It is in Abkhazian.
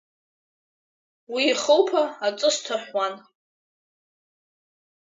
Уи ихылԥа аҵыс ҭаҳәуан.